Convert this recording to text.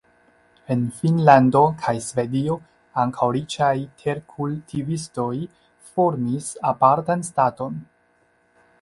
En Finnlando kaj Svedio ankaŭ riĉaj terkultivistoj formis apartan "Staton".